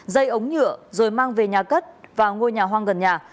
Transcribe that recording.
dây ống nhựa rồi mang về nhà cất và ngôi nhà hoang gần nhà